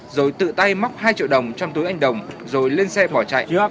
rồi tự tay móc hai triệu đồng trong túi anh đồng rồi lên xe bỏ chạy yok